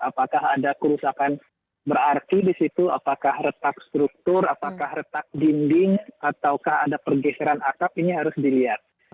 apakah ada kerusakan berarti di situ apakah retak struktur apakah retak dinding ataukah ada pergeseran atap ini harus dilihat